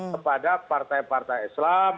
kepada partai partai islam